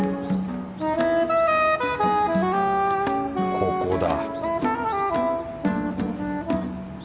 ここだ。